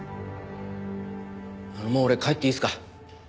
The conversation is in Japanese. あのもう俺帰っていいですか？